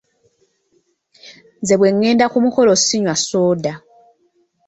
Nze bwe ngenda ku mukolo sinywa soda.